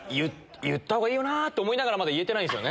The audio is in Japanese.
言ったほうがいいよなと思いながら、まだ言えてないんですよね。